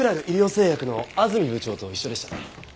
製薬の安住部長と一緒でしたね？